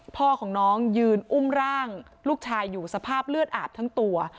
พ่อของน้องยืนอุ้มร่างลูกชายอยู่สภาพเลือดอาบทั้งตัว